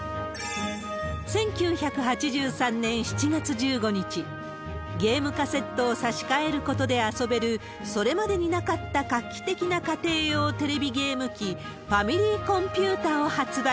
１９８３年７月１５日、ゲームカセットを差し替えることで遊べる、それまでになかった画期的な家庭用テレビゲーム機、ファミリーコンピュータを発売。